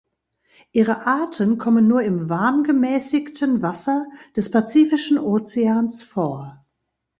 Ihre Arten kommen nur im warmgemäßigten Wasser des Pazifischen Ozeans vor.